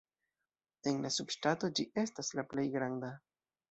En la subŝtato ĝi estas la plej granda.